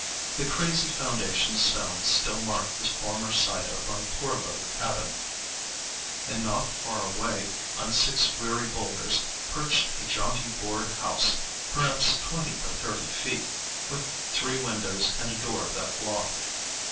The crazy foundation stones still marked the former site of my poor little cabin, and not far away, on six weary boulders, perched a jaunty board house, perhaps twenty by thirty feet, with three windows and a door that locked.